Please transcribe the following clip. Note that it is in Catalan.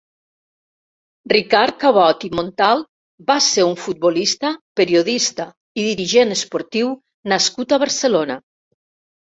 Ricard Cabot i Montalt va ser un futbolista, periodista i dirigent esportiu nascut a Barcelona.